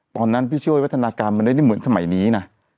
ตอนนั้นพี่ช่วยวัฒนาการมันไม่ได้เหมือนสมัยนี้นะ